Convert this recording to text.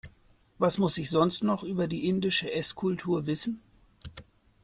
Was muss ich sonst noch über die indische Esskultur wissen?